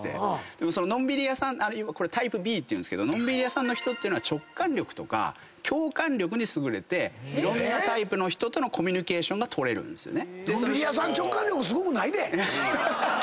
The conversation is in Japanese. でものんびり屋さんこれタイプＢとのんびり屋さんの人っていうのは直感力とか共感力に優れていろんなタイプの人とのコミュニケーションが取れるんですよね。